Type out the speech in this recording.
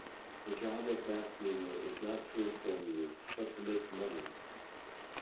The job of mass media is not to inform you, but to make money!